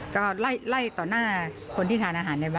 ก็ไล่ต่อหน้าคนที่ทานอาหารในวัด